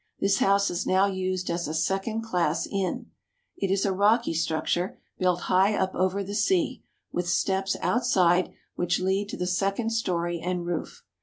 This house is now used as a second class inn. It is a rocky structure, built high up over the sea, with steps outside which lead to the second story and roof.